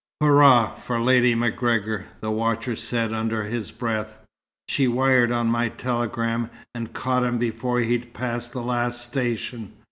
"Hurrah for Lady MacGregor!" the watcher said under his breath. "She wired on my telegram, and caught him before he'd passed the last station.